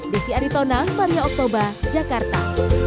desi aritona maria oktober jakarta